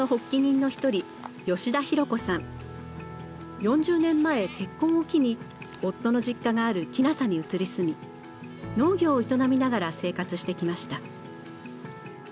４０年前結婚を機に夫の実家がある鬼無里に移り住み農業を営みながら生活してきました。